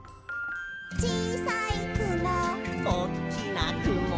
「小さいくも」「おっきなくも」